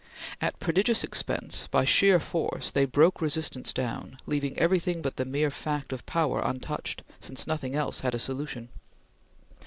At prodigious expense, by sheer force, they broke resistance down, leaving everything but the mere fact of power untouched, since nothing else had a solution.